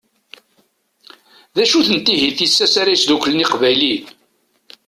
D acu-tent ihi tissas ara yesdukklen Iqbayliyen?